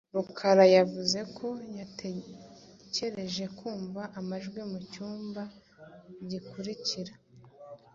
Rukara yavuze ko yatekereje kumva amajwi mu cyumba gikurikira.